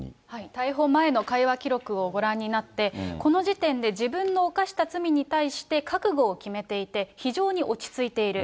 逮捕前の会話記録をご覧になって、この時点で自分の犯した罪に対して覚悟を決めていて、非常に落ち着いている。